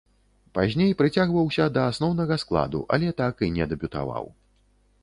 Пазней прыцягваўся да асноўнага складу, але так і не дэбютаваў.